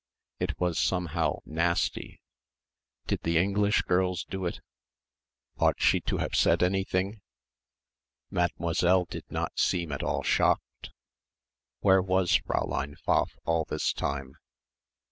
It was, somehow, nasty. Did the English girls do it? Ought she to have said anything? Mademoiselle did not seem at all shocked. Where was Fräulein Pfaff all this time?